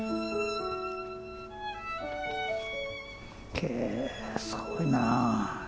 へぇすごいなぁ。